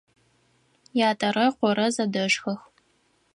Ятэрэ ыкъорэ зэдэшхэх.